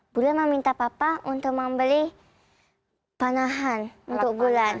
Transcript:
bulan meminta papa untuk membeli panahan untuk bulan